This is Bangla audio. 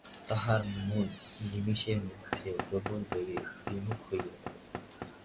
তাহার মন নিমেষের মধ্যেই প্রবলবেগে বিমুখ হইয়া গেল।